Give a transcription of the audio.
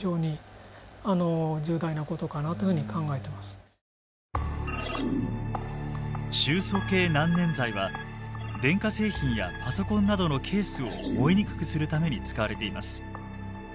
今回は臭素系難燃剤は電化製品やパソコンなどのケースを燃えにくくするために使われています。